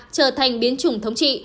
trở thành biến chủng thống trị